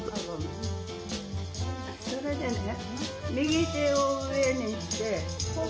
それでね右手を上にして。